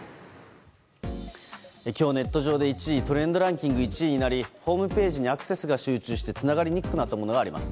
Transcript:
今日、ネット上で一時トレンドランキング１位になりホームページにアクセスが集中してつながりにくくなったものがあります。